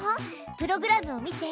プログラムを見て。